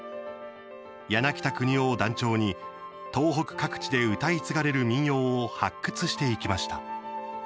柳田國男を団長に東北各地で歌い継がれる民謡を発掘していきました。